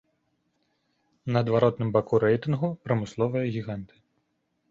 На адваротным баку рэйтынгу прамысловыя гіганты.